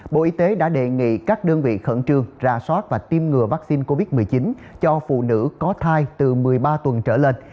bộ y tế đã đề nghị các đơn vị khẩn trương ra soát và tiêm ngừa vaccine covid một mươi chín cho phụ nữ có thai từ một mươi ba tuần trở lên